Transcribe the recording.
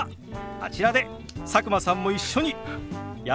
あちらで佐久間さんも一緒にやってみましょう！